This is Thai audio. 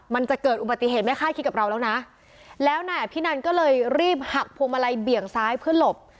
มันจะเกิดอุบัติเหตุไม่คาดคิดกับเราแล้วนะแล้วนายอภินันก็เลยรีบหักพวงมาลัยเบี่ยงซ้ายเพื่อหลบ